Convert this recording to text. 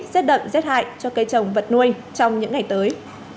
xét đậm xét hại cho cây trồng vật nuôi trong những ngày tới